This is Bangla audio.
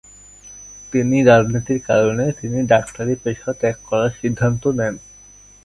তিনি রাজনীতির কারণে তিনি ডাক্তারি পেশা ত্যাগ করার সিদ্ধান্ত নেন।